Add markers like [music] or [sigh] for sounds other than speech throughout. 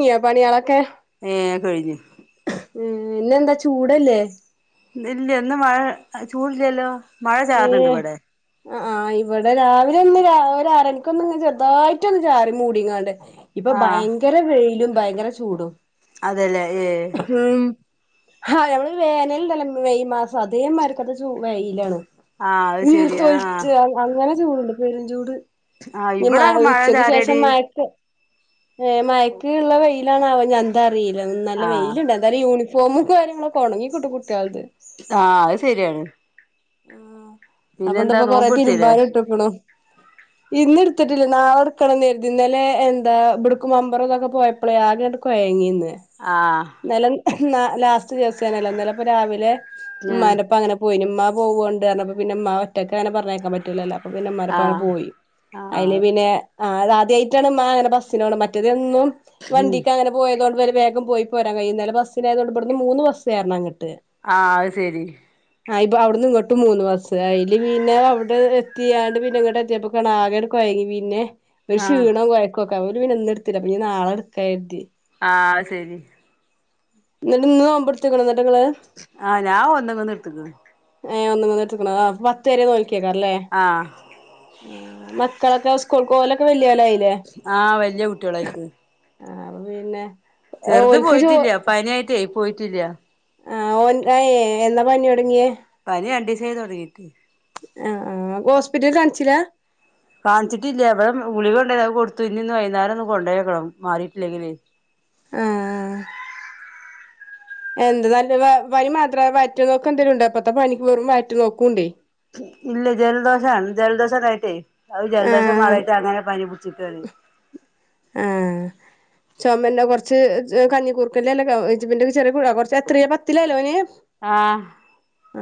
ചെയോ പണിയാളൊക്കെ. ഏഹ് കെഴ്‌ഞ്ഞു. ഏഹ് പിന്നെന്താ ചൂടല്ലേ? ഇല്ല്യെ. ഇന്ന് മഴ, ചൂട്ല്ലല്ലോ. ഏഹ്, അഹ് ആഹ് ആഹ് ഇവടെ രാവിലെ ഒന്ന് ഒരാ ഒരാറണിക്കൊന്ന് ഇങ്ങ് ചെറുതായിട്ടൊന്ന് ചാറി മൂടിങ്ങാണ്ട്. ഇപ്പൊ ആഹ് ഭയങ്കര വെയിലും ഭയങ്കര ചൂടും അതേല്ലേ ഏഹ് ഉം ഹാ ഞമ്മള് വേനല്ണ്ടല്ലോ, മെയ് മാസം അതേ മാരിക്കത്തെ ചൂ വെയിലാണ്. ആഹ് അത് ശരി ആ വിയർതൊൽച്ചാ അങ്ങനെ ചൂട്ണ്ട് പേരുംചൂട്. ആഹ് ഇ മാ ഇവിടൊക്കെ മഴ ഉച്ചക്ക് ശേഷം ചാറിയടി മയക്ക് ഏഹ് മയ‌ക്ക്‌ള്ള വെയിലാണോ ആവോ എന്താ അറീലാ നല്ല ആഹ് വെയില്ണ്ട് യൂണിഫോമും കാര്യങ്ങളൊക്കെ ഒണങ്ങി ക്ട്ടും കുട്ട്യാൾത്. ആഹ് അയ് ശെരി ആണ്. അപ്പൊന്ന്പ്പൊ കൊറേ നോമ്പ് എടുത്തില്ലേ തിര്മ്പാനു ട്ട്ക്ക്‌ണു. ഇന്ന്ട്ത്ത്ട്ടില്ല നാളെട്ക്കണം ന്നര്തി ഇന്നലെ എന്താ ഇബ്ട്ക്കും മമ്പറോം തൊക്കെ പോയ പ്പളേ ആകെങ്ങട് കൊയങ്ങീന്ന്. ആഹ്. ഇന്നലെ ന്നാ ലാസ്റ്റ് ദിവസേന്നല്ലോ ഇന്നലപ്പ രാവിലെ ആഹ് മ്മാന്റെപ്പ അങ്ങനെ പോയിന് മ്മാ പോവൊണ്ട് അർഞപ്പൊ പിന്നെ മ്മാ ഒറ്റക്കങ്ങനെ പർഞ്ഞയ്ക്കാം പറ്റൂലല്ലോ. അപ്പൊ പിന്നെ മ്മാന്റെപ്പം അങ്ങനേ ആഹ് പോയി, അയില് ആഹ് പിന്നെ ആഹ് അത് ആദ്യായിട്ടാണ് മ്മാ അങ്ങനെ ബസ്സിനോണ് മറ്റേതെന്നും ഉം വണ്ടീക്കങ്ങനെ പോയതൊണ്ട് ഇവര് വേഗം പോയി പോരാം കഴിയും, ഇന്നലെ ബസ്സിനായതൊണ്ട് ഇബട്ന്ന് മൂന്ന് ബസ് കേർണം അങ്ങട്ട്. ആഹ് അയ് സേരി. പ്പൊ അവ്ടുന്ന് ഇങ്ങട്ടും മൂന്ന് ബസ്സ്, അയില് പിന്നെ അവടെ എത്തിയാണ്ട് പിന്നെ ഇങ്ങട്ടെത്തിയപ്പൊ ങ്ങണാ ആകട് കൊയങ്ങി പിന്നെ ഒരു ആഹ് ക്ഷീണം കൊയ്ക്കൊക്കെ അവല് പിന്നെ ന്ന്ട്ത്തിലാ പഞ്ഞി ന്നാളട്ക്കാ കര്തി. ആഹ് സേരി. ന്ന്ട്ട് ഇന്ന് നോമ്പ്ട്ത്ത്ക്ക്‌ണൊ ന്ന്ട്ട് ങ്ങള്? ആഹ് ഞാ ഒന്നങ്ന്ന് ഇട്ത്ത്ക്ക്ണ്. ഏഹ് ഒന്ന്ങ്ങന്ന് എട്ത്ത്ക്ക്‌ണു ആഹ് അപ്പൊ പത്ത് വരെ ന്നൊൽക്കയ്ക്കാര്ലെ. ആഹ് ആഹ്, മക്കളൊക്കെ സ്കൂൾ കോലൊക്കെ വല്ല്യോലായി. ആഹ് വല്ല്യ കുട്ട്യാളായിക്ക്. ആഹ് അപ്പ പിന്നെ ചെർത് ഓൽക്ക് ചോ പോയ്റ്റില്ല്യാ പനിയായിട്ടെയ് പോയിറ്റില്ല. ആഹ് ഓൻ ആ യേഹ് എന്നാ പനിടൊങ്ങിയേ? പനി രണ്ടീസായി തൊടങ്ങീട്ട്. ആഹ് ആഹ്, ഓസ്പിറ്റൽല് കാൺചിലാ? കാൺച്ച്ട്ടില്ല ഇവടെ ഗുളികണ്ടായിന്നു അത് കൊട്ത്തു, ഇന്ന്ഞ് വൈന്നേരം ഒന്ന് കൊണ്ടോയോക്കണം മാറീട്ടില്ലെങ്കില്. ആഹ്. എന്ത്‌ നല്ല വെ പനി മാത്രാ വയറ്റ് ന്നൊക്കന്തേലുണ്ടോ? ഇപ്പത്തെ പനിക്ക് വെറും വയറ്റ് നോക്കുംണ്ടേയ്. ഇല്ല ജൽദോഷാണ് ജൽദോഷം തായിട്ടേയ് അവ് ജൽദോഷം ആഹ് മാറായിട്ട് അങ്ങനെ പനി പിട്ച്ച്ക്കാണ്. ആഹ്. ചോമന്റെ കൊർച്ച് ജ് കഞ്ഞിക്കൂർക്കന്റെല [unintelligible] ചെറിയേ കൊ കൊർച്ചെത്രയാ പത്തിലല്ലോ ഓന്? ആഹ്.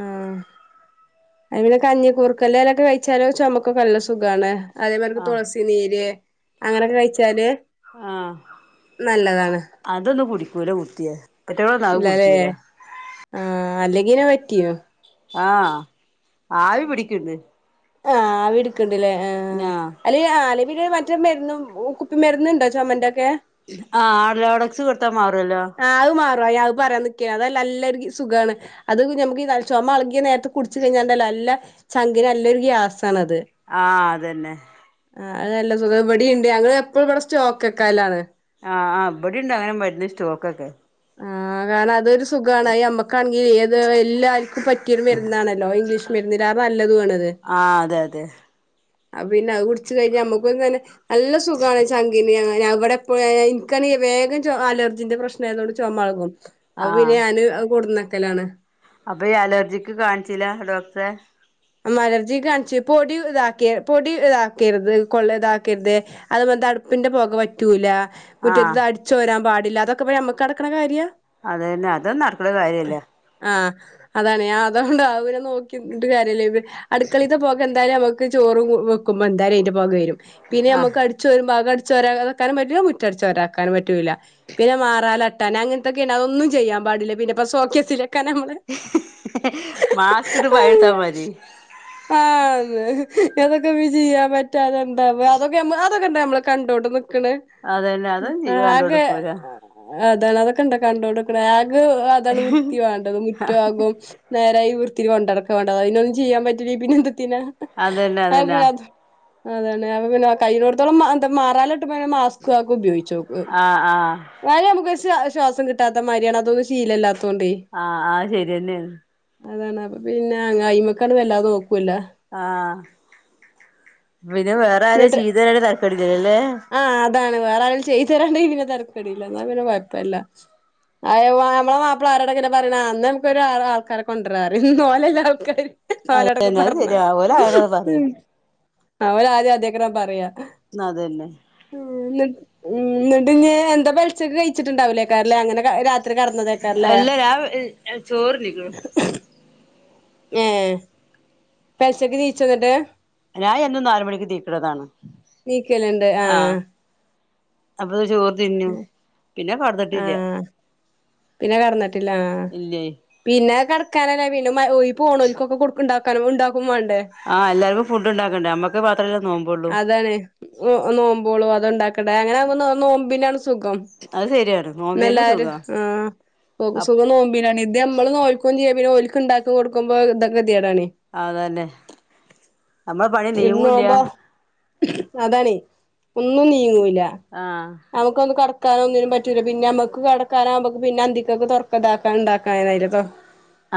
ആഹ് ഇവിടെ കഞ്ഞിക്കൂർക്കന്റെലക്കെ കയ്ച്ചാലു ചൊമക്കൊക്കെ നല്ല സു സുഖാണ് അതേമാര്ക്ക് ആഹ് തൊളസി നീര്, അങ്ങനെക്കെ കയ്ച്ചാല് ആഹ് ന്നല്ലതാണ്. അതൊന്നും കുടിക്കൂല കുട്ട്യേ. ഇല്ലാലെ ആഹ് അല്ലെങ്കീനാ പറ്റീനു. ആഹ്, ആവി പിടിക്ക്‌ണ്ട്. ആഹ്, ആവി ട്ക്ക്ണ്ട്ലെ ആഹ്. ഞാ അ [unintelligible] അല്ലേ പിന്നെ മറ്റെ മര്ന്നും കുപ്പി മര്ന്ന്ണ്ടോ ചൊമേന്റൊക്കെ ആ ആടലോട വിക്സ് കൊട്ത്താ മാറോല്ലോ ആ അത് മാറും അത് ഞാൻ പറയാൻ നിക്കേനി അതാ നല്ലൊരു സുഖാണ് അത് ഞമ്മക്ക് ഈ ചൊമ എളക്യേ നേരത്ത് കുടിച് കഴിഞ്ഞാണ്ടല്ലോ നല്ലെ ചങ്കിന് നല്ലൊരു ഗ്യാസാണത് ആ അതന്നെ ആ അത് നല്ല സുഖാ ഇവടീണ്ട് ഞങ്ങള് എപ്പളും ബടെ സ്റ്റോക്കക്കലാണ് ആ ആ ഇബടിണ്ട് അങ്ങനെ മര്ന്ന് സ്റ്റോക്കൊക്കെ ആ ഞാനതൊര് സ് സുഖാണ് അത് ഞമ്മക്കാണെങ്കി ഏത് എല്ലാര്ക്കും പറ്റ്യോര് മര്ന്നാണല്ലോ ഇംഗ്ലീഷ് മര്ന്നിലാറെ നല്ലതു ആണത് ആ അതെ അതെ അത് പിന്നെ അത് കുടിച്ച് കഴിഞ്ഞാ ഞമ്മക്കും തന്നെ നല്ല സുഖാണ് ചങ്കിന് ഇവടെ വേ ഇൻക്കാണെങ്കി വേഗം ചൊ അലർജിന്റെ പ്രശ്നായതോണ്ട് ചൊമ എൾകും അത് പിന്നെ ഞാന് അത് കൊട്ന്നെക്കലാണ് അപ്പ ഈ അലർജിക്ക് കാൺചില ഡോക്ടറെ ഉം അമലർജിക്ക് കാൺച്ച് പൊടി ഇതാക്കിയ പൊടി ഇതാക്കര്ത് കൊള്ള ഇതാക്കര്ത് അത് പോൽത്തെ അട്പ്പിന്റെ പൊക പറ്റൂല ആഹ് മുറ്റത്ത്ത്തെ അടിച്ചോരാം പാടില്ല അതൊക്ക ഇപ്പ ഞമ്മക്ക് നടക്ക്ണ കാര്യാ അതേന്നെ അതൊന്നും നടക്ക്ണ കാര്യല്ല ആ അതാണ് ഞാൻ അതുകൊണ്ട് അത് പിന്നെ നോക്കി നിന്നിട്ട് കാര്യല്ലേ അട്ക്കളീത്ത പൊക എന്തായാലും ഞമ്മക്ക് ചോറും വെ വെക്ക്മ്പ എന്തായാലും അയിന്റെ പൊക വെരും പിന്നെ ആ ഞമ്മക്ക് അട് ചോരും അകം അട്ചോരാതക്കാനും പറ്റൂല മുറ്റ അട്ച്ചോരാതക്കാനും പറ്റൂല പിന്നെ മാറാല തട്ടാന് അങ്ങൻത്തൊക്കേണ് അതൊന്നും ചെയ്യാം പാടില്ല പിന്നെ ഇപ്പ സോക്കേസിലെക്കാനാ നമ്മള് മാസ്ക് ഇട്ട് പണിട്ത്താ മതി ആന്ന് അതൊക്കെ പ്പ ചെയ്യാം പറ്റാതെ എന്താ അതൊക്കെ ഞമ്മ ആ അത് കണ്ടാ ഞമ്മള് കണ്ടോണ്ട് നിക്ക്ണ് അതന്നെ അതൊന്നും ചെയ്യ ആകെ കണ്ടുകൊടുക്കൂല അതാണ് അതൊക്കെണ്ടൊ കണ്ടോണ്ട്ക്ക്ണ് ആഗ് അതാണ് വൃത്തി വേണ്ടത് മുറ്റോം അകും നേരായി വൃത്തീല് കൊണ്ടട്ക്കാ വേണ്ടത് അയിനൊന്നും ചെയ്യാം പറ്റൂലെങ്കി പിന്നെ എന്തത്തിനാ അതന്നെ അതന്നെ [unintelligible] അതന്നെ അപ്പ പിന്നെ കയ്യിണോട്ത്തോളം മ എന്താ മാറാലട്ട്മ്പോ ഞാൻ മാസ് സ്ക്ക് ഒക്ക ഉപയോഗിച്ചോക്കും ആഹ് ആഹ് ന്നാലും ഞമ്മക്ക് ഒര് ശ്യ ശ്യാസം കിട്ടാത്ത മാര്യാണ് അതൊന്നും ശീലല്ലാതോണ്ടെ ആ ആ അത് ഷര്യേന്നേണ് അതാണ് അപ്പ പിന്നെ അയിമക്കാണ്ട് വല്ലാത നോക്കുല്ല ആ പിന്നെ വേറെ ആരോ ചെയ്‌തേരരാ തര്ക്കട്ല്ലലലേ ആ അതാണ് വേറ ആരേലും ചെയ്തെരാണ്ടെങ്കി പിന്നെ തര്ക്കെടില്ല ന്നാ പിന്നെ കൊഴപ്പല്ല അ [unintelligible] നമ്മളെ മാപ്പളാരോടെ എങ്ങനെ പറിണെ അന്ന നമുക്കൊര് ആൾ ആൾക്കാരെ കൊണ്ട്രാരാ പറിം ഓലല്ലേ ആൾക്കാര് ഓലോടക്ക അതന്നെ അത് പർഞ്ഞാ ശരിയാ ഓല് ആരെങ്കിലൊക്കെ പറയും ഓല് ആദ്യം അതെക്കാരം പറയാ അതന്നെ ഉം ന്ന ന്നട്ട് ഇഞ് എന്താ പെൽച്ചക്ക് കഴിച്ച്ട്ട്ണ്ടാവൂലേകാര ലെ അങ്ങനെ ക രാത്രി കട്ന്നതെ അല്ല ഞാം ചോറ്ന്ന്ക്ക്ണു ഏ പെൽച്ചക്ക് നീച്ചോ ന്നട്ട് ഞാൻ എന്നും നാല് മണിക്ക് നീക്ക്ണതാണ് നീക്കലുണ്ട് ആ ആഹ് അപ്പ ചോറ് തിന്നും പിന്നെ കട്ന്ന്ട്ടില്ല പിന്ന കട്ന്നിട്ടില്ല ആ ഇല്ലേ പിന്നെ കട്ക്കാനല്ല പിന്നെ മ ഈ പോണോൽക്കൊക്ക കൊട്ക്ക് ഇണ്ടാക്കാനും ഇണ്ടാ ആ എല്ലാര്ക്കും ഫുഡ്ഡ് ഇണ്ടാക്കണ്ടേ നമ്മക്ക് മാത്രല്ലേ നോമ്പോള്ളൂ അതങ്ങനെ ചെയ്യ് നോ നോമ്പോളൂ അത്ണ്ടാക്കട്ടെ. അങ്ങനെ ആവുമ്പോ നോമ്പിനാണ് സുഖം. അത് ശരിയാണ് നോമ്പിനന്നെ ന്നെല്ലാരും, സുഖാ ആഹ് അപ് സുഖം നോമ്പിനാണ്. ഇത് ഞമ്മള് നോൽകൂം ചെയ്യാ പിന്നെ ഓൽക്ക് ഇണ്ടാക്കി കൊട്ക്ക്മ്പോ എന്താ ഗെത്യേടാണെ. അതന്നെ നമ്മളെ പണി നീങ്ങൂല്ല. അതാണെയ്. ഒന്നും നീങ്ങൂല. ആഹ്. നമുക്കൊന്ന് കെട്ക്കാനൊന്നിനും പറ്റൂല. പിന്നമ്മക്ക് കെടക്കാനാവാമ്പക്ക് പിന്നന്തിക്കക്ക് തൊർക്കതാക്കാന്ണ്ടാക്കാനായീലെ തൊർ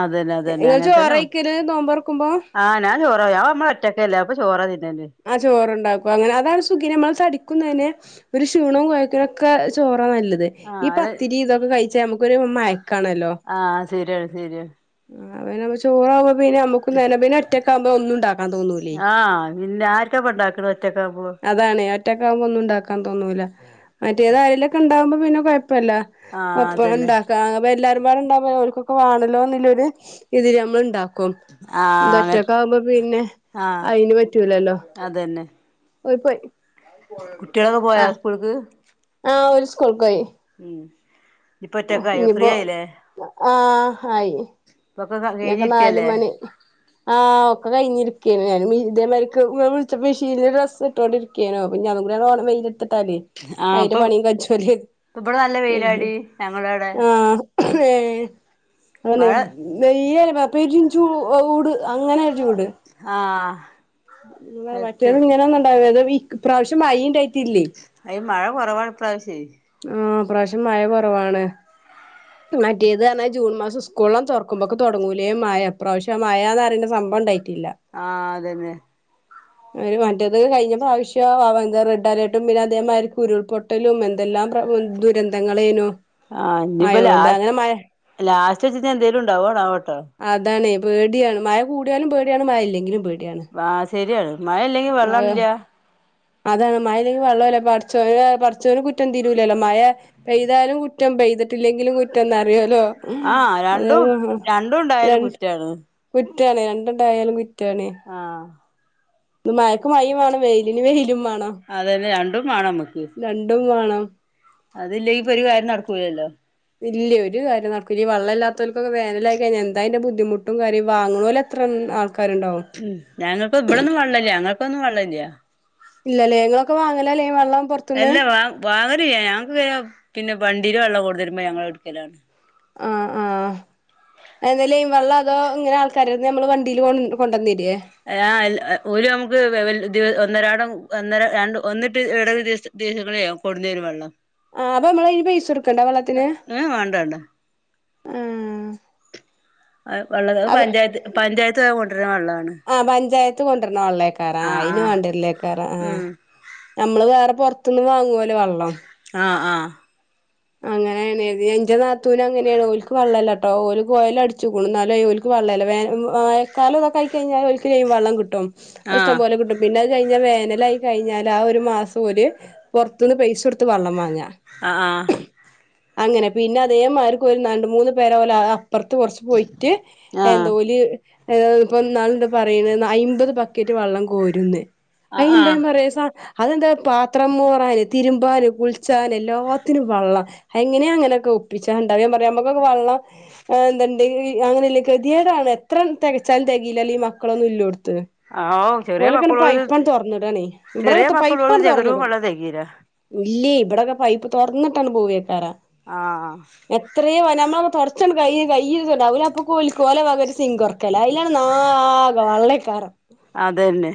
അതന്നെ അതന്നെ ഇങ്ങള് അങ്ങനെ തന്നെ ചോറയ്ക്കല് നോമ്പർക്കുമ്പോ? ആഹ് ഞാ ചോറാ. ഞാ നമ്മ ഒറ്റക്കല്ലെ അപ്പ ചോറാ തിന്നല്. ആഹ് ചോറുണ്ടാക്കും. അങ്ങന അതാണ് സുഖേ, നമ്മളെ തടിക്കു നല്ലെ. ഒരു ക്ഷീണു കൊയ്ക്കിനൊക്ക ചോറാ നല്ലത്. ആഹ് ഈ അല്ല പത്തിരിയും ഇതൊക്ക കയ്ച്ചാ നമുക്കൊര് മയക്കാണല്ലോ. ആഹ് ശരിയാണ് ശരിയാണ് ആഹ് അങ്ങനാവുമ്പോ ചോറാവ്മ്പ പിന്നമ്മ നെലവില് ഒറ്റക്കാവുമ്പ ഒന്നുണ്ടാക്കാൻ തോന്നുലെ. ആഹ് പിന്നെ ആർക്കാപ്പ ഇണ്ടാക്കണ ഒറ്റക്കാവുമ്പോ അ താണെ, ഒറ്റക്കാവുമ്പൊന്നുണ്ടാക്കാൻ തോന്നൂല. മറ്റേതായേലൊക്കണ്ടാവുമ്പ പിന്നെ കൊയ്പ്പല്ല. ആഹ് അപ്പൊ അതന്നെ എന്താക്കാ എല്ലാരുമ്പാടണ്ടാവുമ്പ ഓൽകൊക്കെ വാണല്ലോന്ന്ള്ളൊരു ഇതില് നമ്മള്ണ്ടാക്കും. കും. ആഹ് അങ്ങ ഇതൊറ്റക്കാവുമ്പ പിന്നെ ആഹ് അയ്ന് പറ്റൂലല്ലൊ. അതന്നെ പൊയ് പൊയ്. കുട്ട്യാളൊക്ക പോയ സ്കൂൾക്ക്? ആഹ് ഓര് സ്കൂൾക്കോയ്. ഉം. ഇപ്പൊ ഹൊ ഒറ്റക്കായോ ഫ്രീ ഇനിയിപ്പൊ, ആയില്ലേ ആഹ് ഹായ്. ഇപ്പൊക്കെ ഇഞ്ഞൊക്ക നാല് കഴിഞ്ഞിരിക്കല്ലേ മണി ആഹ് ഒക്കെ കയ്ഞ്ഞിരിക്കെയ്ണ് ഞാന്. ഇനി ഇതേമാരിക്ക് ഇങ്ങള് വിളിച്ചപ്പ മെഷീനില് ഡ്രസ്സ്ട്ടോണ്ടിരി ക്കേനു. ഇഞ്ഞതും കൂടെ ഓണം വെയ്ലെത്ത്ട്ടാലേ ആഹ് അയ്ന്റെ ഇപ്പം പണിയും കജ്ജൊല് എയ്തി. ഞമ്മളോടെ ആഹ് ഏഹ് അങ്ങനെ മഴ വെയ്ല് പ പെരും ചൂട് അങ്ങനൊര് ചൂട്. ആഹ്. അത് മറ്റേത് ഇങ്ങനൊന്ന്ണ്ടാവൂലാലോ. വീക് ഇപ്രാവശ്യം മയീണ്ടായ് അയ് മഴ കൊറവാണിപ്രാവ്ശ്യെ. ആഹ് ഇപ്പ്രാവശ്യം മഴ കൊറവാണ്. മറ്റേത് പറഞ്ഞാ ജൂൺ മാസം സ്കൂള് തൊർക്കുമ്പക്ക് തൊട്ങ്ങൂലേ മയ. ഇപ്രാവശ്യ മയാന്നറയണ്ട സംഭവണ്ടായ്ട്ടില്ല. ആഹ് അതന്നെ. ഒര് മറ്റേത് കയ്ഞ്ഞ പ്രാവശ്യം വ വന്ത റെഡ് അലേർട്ടും പിന്നെ അതേമായ്രി ഉരുൾപൊ ട്ടലും എന്തെല്ലാം പ്ര ദുരന്തങ്ങളേനു. ആഹ് ഇഞ്ഞ്പ്പ മഴോണ്ട് ലാസ് അങ്ങനെ മഴ ലാസ്റ്റെച്ച്ട്ട് എന്തേലും ഇണ്ടാവോന്നാവട്ടോ. അതാണെ, പേട്യാണ്. മയ കൂട്യാലും പേട്യാണ് മയ ഇല്ലെങ്കിലും പേട്യാണ്. ആഹ് ശര്യാണ് മയല്ലെങ്കി വെള്ളംല്ല. അതാണ് മഴല്ലെങ്കിൽ വെള്ളൂല്ല. പടച്ചോന് പടച്ചോന് കുറ്റം തീരൂലല്ലോ. മയ പെയ്താലും കുറ്റം പെയ്തിട്ടില്ലെങ്കിലു കുറ്റംന്നറിയോലോ. ആഹ് അതേ രണ്ടും രണ്ടുണ്ടായാലും രണ്ട് കുറ്റാണ്. കുറ്റാണ് രണ്ടുണ്ടായാലും കുറ്റാണ്. ആഹ്. ന്ന് മയക്ക് മയിം വാണം വെയ്ല്ന് വെയ്ലും വാണം. അതന്നെ രണ്ടും മാണമ്മക്ക്. രണ്ടും വാണം. അതില്ലെ ഈ പൊരി കാര്യും നടക്കൂലല്ലൊ. ഇല്ലെ ഒരു കാര്യും നടക്കില്ല ഈ വള്ളല്ലാത്തോൽകൊക്ക വേനലായ്കയ്ഞ്ഞ എന്തായ്ന്റെ ബുദ്ധിമുട്ടും കാര്യും വാങ്ങ്ണോല ത്രം ആൾക്കാര്ണ്ടാവും. ഉം ഞങ്ങക്കൊ ഇപടൊന്നും വള്ളല്ല ഞങ്ങൾക്കൊന്നും വള്ളല്ല. ഇല്ലലെ ങ്ങളൊക്ക വാങ്ങല ലെ വെള്ളം പൊർ അല്ലാ വാ വാങ്ങലിയ്യ ഞാക്ക് പിന്നെ വണ്ടീല് വെള്ളം കൊട്ന്നരുമ്പ ഞങ്ങള്ട്ക്കലാണ്. ആഹ് ആഹ് എന്ത ലൈം വെള്ളതോ ങ്ങനെ ആൾക്കാരെട്ത് നമ്മള് വണ്ടീല് കൊണ്ടന്നെര്യേ? ആഹ് അൽ ഓര് നമ്മക് വെവൽ ദിൽ ഒന്നരാടം ഒന്നര രണ്ട് ഒന്ന്ട്ട് ഇടവ് ദിവ്സ് ദിവസങ്ങളെ കൊട്ന്നര് വെള്ളം ആഹ് അപ്പൊ മ്മള് ഇ പൈസ കൊടുക്കണ്ടെ വെള്ളത്തിന് ഏ വേണ്ട വേണ്ട ആഹ് വെള്ളം അത് അപ പഞ്ചായത്ത് പഞ്ചായത്ത് കൊണ്ടുവരുന്ന വെള്ളമാണ് ആഹ് പഞ്ചായത്ത് കൊണ്ടര്ണ വെള്ളക്കെ കറ ആഹ് ആയിന് ആഹ് വേണ്ടില്ലേക്കാര ആഹ് ഉം നമ്മള് വേറെ പുറത്ത്ന്നും വാങ്ങുവലേ വെള്ളം ആഹ് ആഹ് അങ്ങനെയാണ്ത് എന്റെ നാത്തൂന് അങ്ങനെയാണ് ഓലക്ക് വള്ളല്ലാട്ടോ ഓര് കോയല അടിച്ചു എന്നാല് ഓൽക്ക് വെള്ളല്ല വെള്ളല്ല വോല ഇതൊെ ആയി കഴിഞ്ഞാൽ ഒരിക്കല കഴുമ്പ ഓൽക്ക് ലൈം വള്ളം കിട്ടും അത് ഇഷ്ടം ആഹ് പോലെ കിട്ടും പിന്നെ അത് കഴിഞ്ഞ വേനലായി കഴിഞ്ഞാല് ആഹ് ഒരു മാസം ഓല് പൊറത്തുന്ന് പൈസ കൊടുത്ത് വെള്ളം വാങ്ങ അ ആഹ് അങ്ങനെ പിന്നെ അതേ മരിക്ക് ഒല് രണ്ട് മൂന്ന് പേരെ പോ ഓല അപ്പുറത്ത് കുറച്ച് പോയിട്ട് ആഹ് എന്ത ആഹ് ഓല് ങ് ഇപ്പ ന്നാള് ന്താ പറയുന്ന് അയ്മ്പത് ബക്കറ്റ് വെള്ളം കോരുന്ന് അയമ്പ ആഹ് പറയാ അതെന്താ പാത്രം മോറാന് തിരുമ്പാന് കുളിച്ചാന് എല്ല ത്തിന് വെള്ളം എങ്ങനെയെ അങ്ങനെയൊക്കെ ഒപ്പിച്ചാ ഇണ്ടാവ പറയ നമ്മക്കെ വെള്ളം ങ് എന്ത്ണ്ട് അങ്ങനെല്ല കെതിയേടാണ് എത്ര തെകച്ചാലും തെകില്ലല്ല ഈ മക്കളൊന്നും ഇല്ലോടത്ത് ആഹ് ആഹ് ചെറിയ ഓലക്കങ് മക്കളോട് പൈപ്പാണ്ട് തൊറന്നിടാണ് ചെറിയ ഇവിടെക്കെ മക്കളോട് പൈപ്പാണ് ജഗരവും തുറന്നിടും വെള്ളം തികയില്ല ഇല്ലേ ഇപ ട്ടൊക്കെ പൈപ്പ് തുറന്നിട്ടാണ്ട് പോവേക്കാര ആഹ് എത്രയ വ നമ്മളട് തൊടച്ചണ്ട് ക കയ് അപ്പക്ക് ഓല് കോലെ വക ഒരു സിങ്ക് ഓർക്കല അയ്ലാണെ നാഗെ വള്ളക്കര അതന്നെ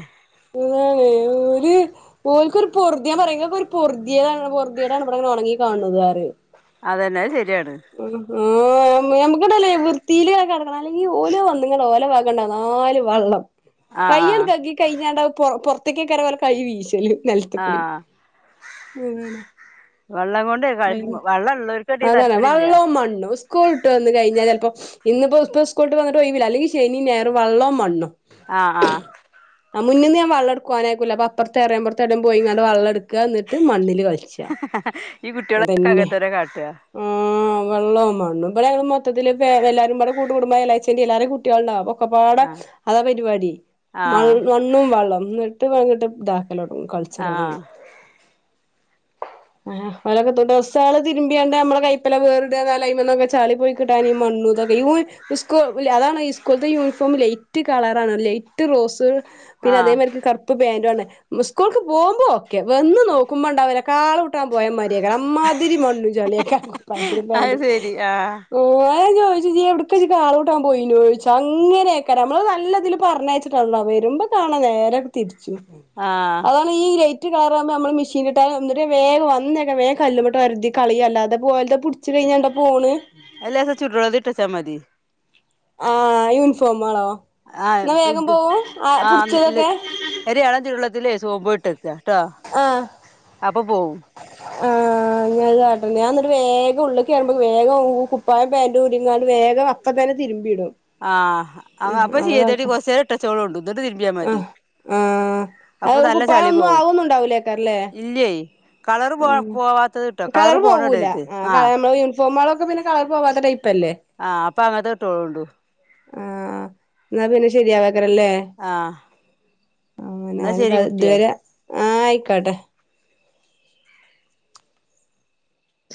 [unintelligible] ഒര് ഓൽക്കൊരു പൊറുതി ഞാൻ പറയ ഒരു പൊറുതിയെടാണ് പറുതിയെടാണ് ഇവിടെങ്ങന ഒണങ്ങി കാണ്ണത് അറി അതന്നെ അത് ശരിയാണ് ഞമ്മക്കടല്ലേ വൃത്തിയില കെടക്കണം അല്ലെങ്കി ഓല് വന്ന്ങ്ങാണ്ട് നിങ്ങള ഓലോ ക്കണ്ട നാല് വെള്ളം ആഹ് ആഹ് കയ്യാണ് കി കഴഞ്ഞാ പുറത്തേക്കൊക്കെ പോലെ കൈ വീശല് നെലത്ത്ക്കൂടി ആഹ് അങ്ങനെ വെള്ളം കൊണ്ട് [unintelligible] വെള്ളം ഉള്ളവർക്കടി അതഞ്ഞ തരക്കേടില്ല വെള്ളവും മണ്ണു സ്കൂൾട്ട് വന്ന് കഴിഞ്ഞാൽ ചിലപ്പോ ഇന്ന ഇപ്പോ ഇപ്പോൊ സ്കൂളിട്ട വന്നിട്ട് പോയില്ല അല്ലെങ്കിൽ ശനി ഞായറു വള്ളോ മണ്ണോ ആഹ് ആഹ് ആഹ് മുന്ന്ന്ന് ഞാൻ വെള്ള ട്ക്കാനായിക്കൂല അപ്പറത്തെ എറയമ്പുറത്തെ ഏടം പോയിങ്ങാണ്ട് വെള്ളംടുക്ക എന്നിട്ട് മണ്ണില് കളച്ച് ഈ കുട്ടിയോൾ ഒക്കെ അങ്ങനെതന്നെ കാട്ടാ ആഹ് മണ്ണ ഇവി മൊത്തത്തില് എല്ലാരും ഇവിടെ കൂട്ട കുടുംബാ എലച്ചന്റെ എല്ലാരും കുട്ടികളണ്ട് ക്കൊപാടെ ആ അതാ പരിപാടി ആ മണ്ണ് ഇും വെള്ളം ന്നട്ട് വങ്ങിട്ട് ഡാക്കലോടങ്ങും ആ കളിച്ചലോടങ്ങും ആഹ് അവരൊക്കെ തൊട്ട്സകൾ രുമ്പിയാണ്ട് നമ്മ കൈപ്പ വേറരു വിലന്നൊക്കെ ചളി പോയി കിട്ടൻ ഈ മണ്ണതൊക്കെ ഈ സ്കൂ അതാണോ ഈ സ്കൂളത്തെ യൂണിഫോം ലൈറ്റ് കളറണോ ലൈറ്റ് റോസ് പിന്നെ ആ അതേമാതിരി ക ഇപ്പ പേണ് സ്കൂൾക്ക് പോകുമ്പോ ഒക്കെ വന്ന് നോക്കുമ്പോണ്ട അവന കാള കൂട്ടാൻ പോയാ മാതിരി അമ്മാതിരി മണ്ണും ചളിയും അയക്കാരം അത് ശരി ആ എവിട്ക്ക കാള കൂട്ടാൻ പോയി ചോദിച്ച അങ്ങനെയൊക്കെ നമ്മള് നല്ലതില് പറഞ്ഞയച്ചട്ടാ ഉള്ള വരുമ്പോ കാണോ നേരൊ തിരിച്ചു ആഹ് ഈ ലൈറ്റ് കളറാവുമ്പോ നമ്മ മെഷീൻ ഇട്ട വേ വന്നി കല്ലുമ ഇട്ട് ഒരതി കളി അല്ലാതെ ഓലത് പിടിച്ചച്ച് കഴിഞ്ഞാണ്ടാ പോണ് അല്ല അത് ചൂട് വെള്ളത്തിൽ ഇട്ടച്ച മതി ആ യൂണിഫോമാ ആണോ ആ എന്നാ വേഗം പോവോ ആ പിടിച്ചതൊക്കെ ഒരെളം ചൂടെള്ളത്തിലേയ് സോപ്പുംൽ ട്ടക്ക ട്ടൊ ആഹ് അപ്പോ പോവും ആഹ് അങ്ങനന്നെ കാട്ടല് ഞാന്നിട്ട് വേഗം ഉള്ള്ക്കേറുമ്പ വേഗം കുപ്പായം പേന്റുരീങ്ങാണ്ട് വേഗ അപ്പത്തന്നെ തിര്മ്പിടും ആഹ് അപ്പൊ ചീയതേടി കൊർച്ചേരം ഇട്ടച്ചോളൊണ്ട് ന്ന്ട്ട് തിര്മ്പ്യ മതി ആഹ് ആഹ് അപ്പൊ അത് നല്ല ചളി കുപ്പായൊന്നും പോവും ആവൊന്നുണ്ടാവൂലേക്കാരല്ലേ ഇല്ലേ കളറ് പോ ഉം പോവാത്തത് ഇട്ടോ കളർ കളറ് പോണ പോവൂല ഇടരുത് ആ നമ്മ യൂ ഫോമാളൊക്കെ പിന്നെ കളർ പോവാത്ത ടൈപ്പല്ലേ ആഹ് അപ്പൊ അങ്ങത്തെ ഇട്ടോളൊണ്ടു ആഹ് ന്നാ പിന്നെ ശരിയാവാക്കരല്ലേ ആ ആ എന്നാ ഞാന് ശരി ഇത് കുട്ടിയെ വരെ ആഹ് ആയിക്കോട്ടെ